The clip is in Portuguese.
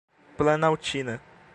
Planaltina